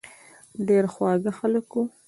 ډېر خواږه خلک وو.